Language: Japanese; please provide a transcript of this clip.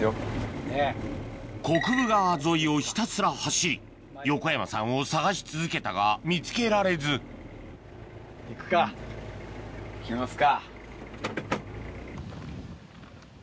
国分川沿いをひたすら走り横山さんを捜し続けたが見つけられず行きますか。